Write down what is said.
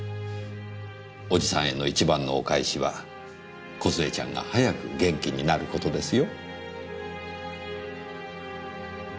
おじさんへの一番のお返しは梢ちゃんが早く元気になる事ですよ。